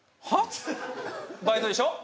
バイトでしょ？